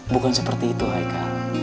bukan seperti itu haikal